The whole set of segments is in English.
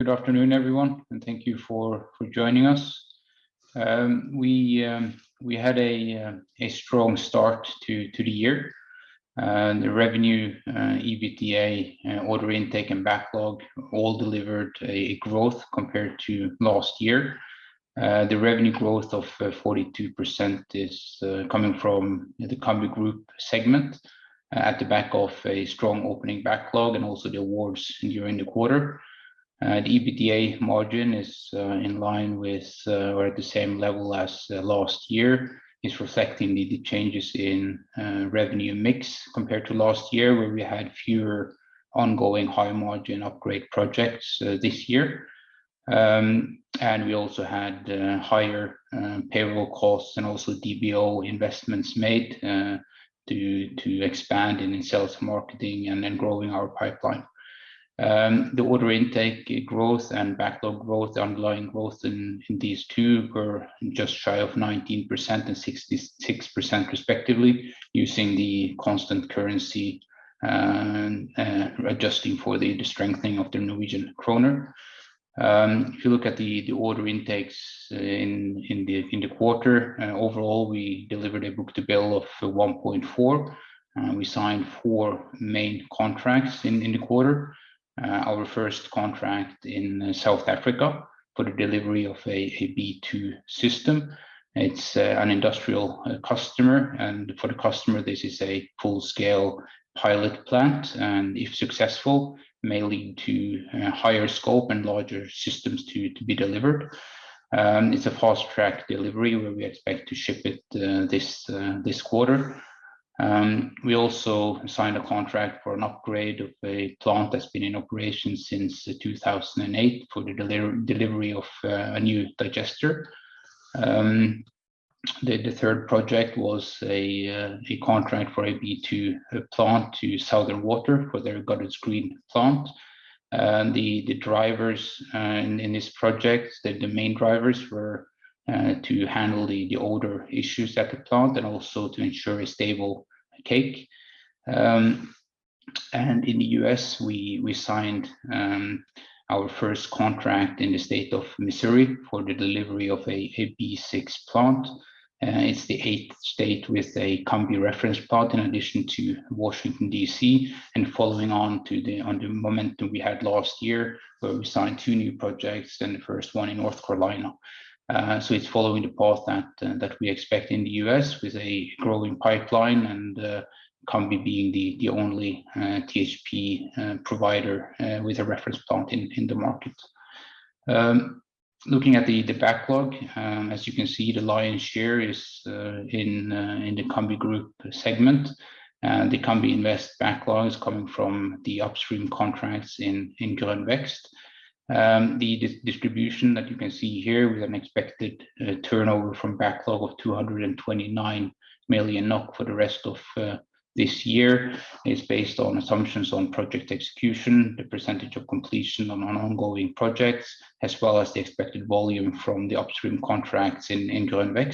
Good afternoon, everyone, and thank you for joining us. We had a strong start to the year. The revenue, EBITDA, order intake, and backlog all delivered a growth compared to last year. The revenue growth of 42% is coming from the Cambi Group segment at the back of a strong opening backlog and also the awards during the quarter. EBITDA margin is in line with or at the same level as last year. It's reflecting the changes in revenue mix compared to last year, where we had fewer ongoing high-margin upgrade projects this year. We also had higher payroll costs and also DBO investments made to expand in sales marketing and then growing our pipeline. The order intake growth and backlog growth, underlying growth in these two were just shy of 19% and 66% respectively, using the constant currency and adjusting for the strengthening of the Norwegian krone. If you look at the order intakes in the quarter, overall, we delivered a book-to-bill of 1.4. We signed four main contracts in the quarter. Our first contract in South Africa for the delivery of a B2 system. It's an industrial customer, and for the customer, this is a full-scale pilot plant, and if successful, may lead to higher scope and larger systems to be delivered. It's a fast-track delivery where we expect to ship it this quarter. We also signed a contract for an upgrade of a plant that's been in operation since 2008 for the delivery of a new digester. The third project was a contract for a B2 plant to Southern Water for their Goddards Green plant. The main drivers in this project were to handle the odour issues at the plant and also to ensure a stable cake. In the U.S., we signed our first contract in the state of Missouri for the delivery of a B6 plant, and it's the eighth state with a Cambi-reference plant in addition to Washington, D.C., and following on to the momentum we had last year. We signed two new projects and the first one in North Carolina. It's following the path that we expect in the U.S. with a growing pipeline and Cambi being the only THP provider with a reference plant in the market. Looking at the backlog, as you can see, the lion's share is in the Cambi Group segment. The Cambi Invest backlog is coming from the upstream contracts in Gunnebo. The distribution that you can see here, we have expected turnover from backlog of 229 million NOK for the rest of this year, is based on assumptions on project execution, the percentage of completion on our ongoing projects, as well as the expected volume from the upstream contracts in Gunnebo.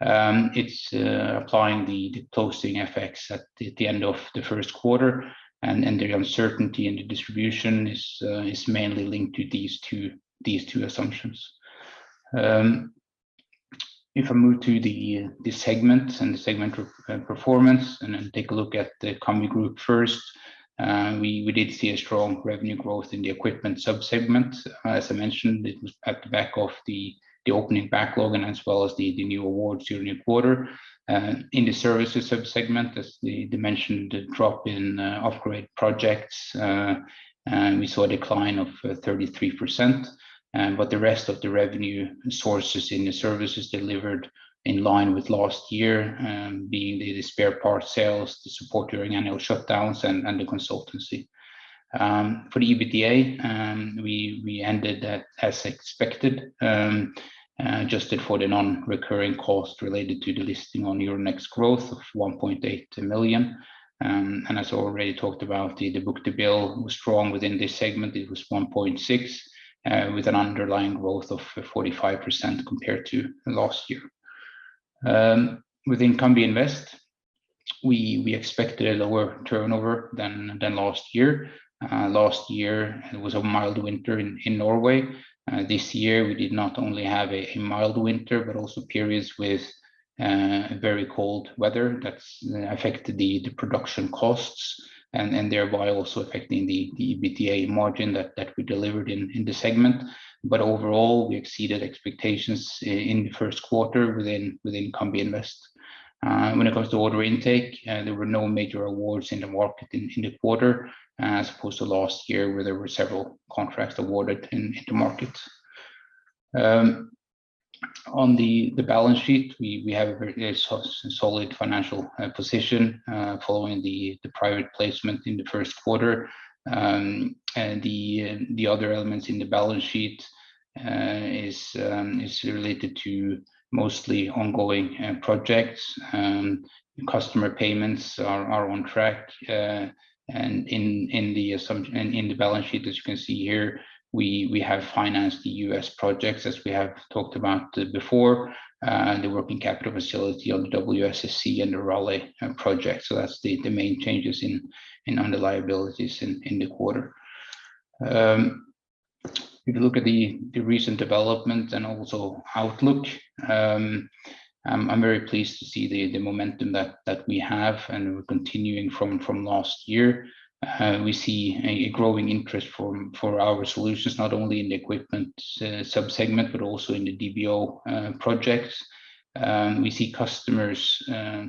It's applying the closing FX at the end of the first quarter, and the uncertainty in the distribution is mainly linked to these two assumptions. If I move to the segments and segment performance and then take a look at the Cambi Group first. We did see a strong revenue growth in the equipment sub-segment. As I mentioned, it was at the back of the opening backlog and as well as the new awards during the quarter. In the services sub-segment, as mentioned, the drop in upgrade projects, we saw a decline of 33%. The rest of the revenue sources in the services delivered in line with last year, being the spare parts sales to support during annual shutdowns and the consultancy. For the EBITDA, we ended as expected, adjusted for the non-recurring cost related to the listing on Euronext Growth of 1.8 million. As already talked about, the book-to-bill was strong within this segment. It was 1.6, with an underlying growth of 45% compared to last year. Within Cambi Invest, we expected a lower turnover than last year. Last year, it was a mild winter in Norway. This year we did not only have a mild winter, but also periods with very cold weather that's affected the production costs and thereby also affecting the EBITDA margin that we delivered in the segment. Overall, we exceeded expectations in the first quarter within Cambi Invest. When it comes to order intake, there were no major awards in the market in the quarter, as opposed to last year where there were several contracts awarded in the market. On the balance sheet, we have a very solid financial position following the private placement in the first quarter. The other elements in the balance sheet is related to mostly ongoing projects, and customer payments are on track. In the balance sheet, as you can see here, we have financed the U.S. projects as we have talked about before, and the working capital facility on the WSSC and the Raleigh project. That's the main changes in under liabilities in the quarter. If you look at the recent development and also outlook, I'm very pleased to see the momentum that we have, and we're continuing from last year. We see a growing interest for our solutions, not only in the equipment sub-segment, but also in the DBO projects. We see customers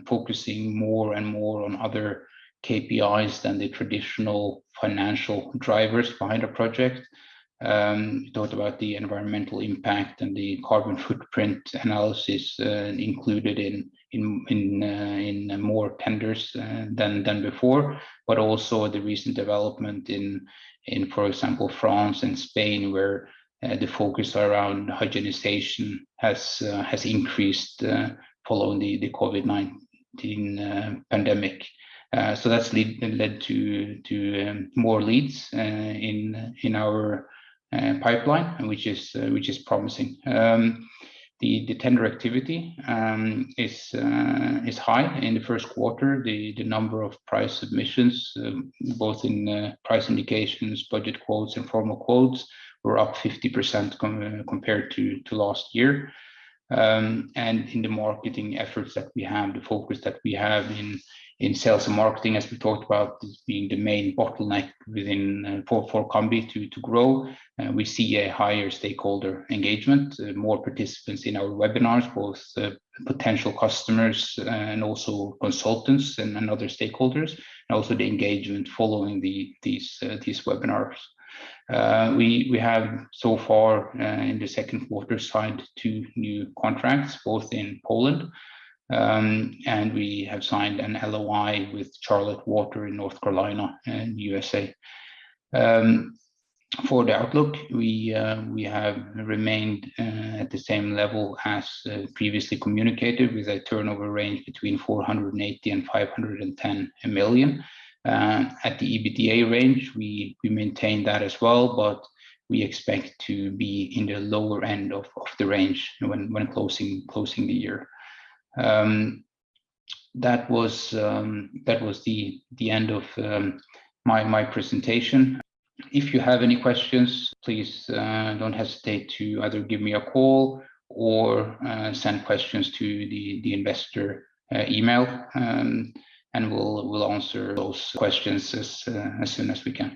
focusing more and more on other KPIs than the traditional financial drivers behind a project. We talked about the environmental impact and the carbon footprint analysis included in more tenders than before, but also the recent development in, for example, France and Spain, where the focus around hygienization has increased following the COVID-19 pandemic. That's led to more leads in our pipeline, which is promising. The tender activity is high in the first quarter. The number of price submissions, both in price indications, budget quotes, and formal quotes, were up 50% compared to last year. In the marketing efforts that we have, the focus that we have in sales and marketing, as we talked about, this being the main bottleneck for Cambi to grow. We see a higher stakeholder engagement, more participants in our webinars, both potential customers and also consultants and other stakeholders, and also the engagement following these webinars. We have so far, in the second quarter, signed two new contracts, both in Poland. We have signed an LOI with Charlotte Water in North Carolina in USA. For the outlook, we have remained at the same level as previously communicated, with a turnover range between 480 million and 510 million. At the EBITDA range, we maintain that as well, but we expect to be in the lower end of the range when closing the year. That was the end of my presentation. If you have any questions, please don't hesitate to either give me a call or send questions to the investor email, and we'll answer those questions as soon as we can.